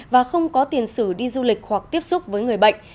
và không có tiền sử đi du lịch hoặc tiếp xúc với người bệnh